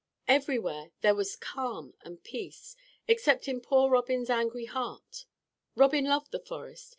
Everywhere there was calm and peace except in poor Robin's angry heart. Robin loved the forest.